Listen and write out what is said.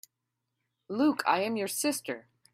Luke, I am your sister!